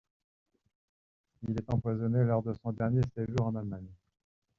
Il est empoisonné lors de son dernier séjour en Allemagne.